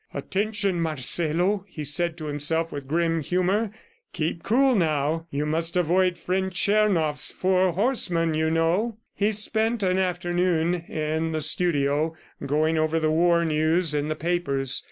"Attention, Marcelo!" he said to himself with grim humor. "Keep cool now! ... You must avoid Friend Tchernoff's four horsemen, you know!" He spent an afternoon in the studio going over the war news in the papers.